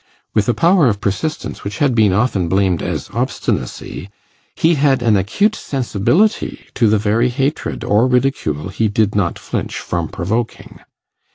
With a power of persistence which had been often blamed as obstinacy, he had an acute sensibility to the very hatred or ridicule he did not flinch from provoking.